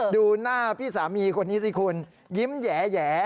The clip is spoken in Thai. ดูหน้าพี่สามีคนนี้สิคุณยิ้มแหย่